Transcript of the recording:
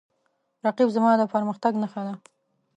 رقیب زما د پرمختګ نښه ده